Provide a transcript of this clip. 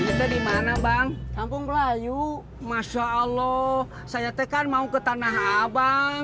ini bang kita dimana bang ampun kelayu masya allah saya tekan mau ke tanah abang